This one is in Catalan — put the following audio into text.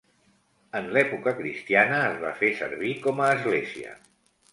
En l'època cristiana es va fer servir com a església.